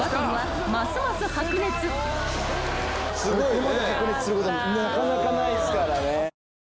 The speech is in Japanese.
ここまで白熱することなかなかないですからね。